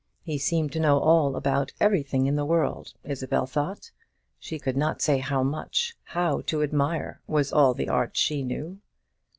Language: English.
He seemed to know all about everything in the world, Isabel thought. She could not say much. How to admire was all the art she knew.